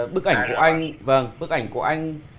bức ảnh của anh vâng bức ảnh của anh